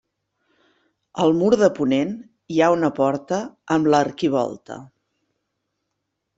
Al mur de ponent hi ha una porta amb l'arquivolta.